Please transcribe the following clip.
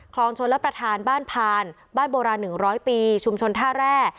ครองชนและประธานบ้านพานบ้านโบราณหนึ่งร้อยปีชุมชนท่าแร่